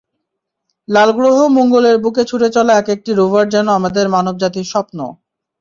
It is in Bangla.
লাল গ্রহ মঙ্গলের বুকে ছুটে চলা একেকটি রোভার যেন আমাদের মানবজাতির স্বপ্ন।